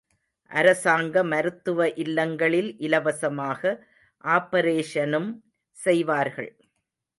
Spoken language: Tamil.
அரசாங்க மருத்துவ இல்லங்களில் இலவசமாக ஆப்பரேஷனும் செய்வார்கள்.